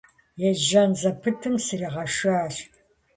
Ежьэн зэпытым сригъэшащ.